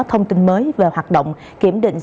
thông tin mới về hoạt động kiểm định